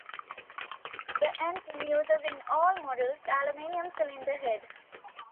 The engine uses in all models aluminium cylinder head.